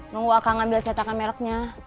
nunggu akal ngambil setakan mereknya